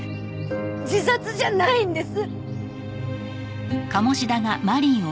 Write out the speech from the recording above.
自殺じゃないんです！